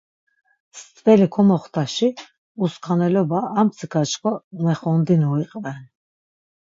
Stveli komoxtaşi uskaneloba armtsik̆a çkva umexondinu iqven.